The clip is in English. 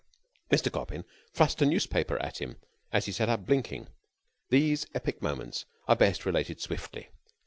Mr. Coppin thrust a newspaper at him, as he sat up blinking. These epic moments are best related swiftly.